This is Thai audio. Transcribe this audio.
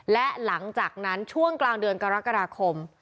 และหลังจากนั้นช่วงกลางเดือนกรกฎาคม